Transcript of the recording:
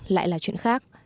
lại là chuyện khác